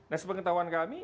nah sepengetahuan kami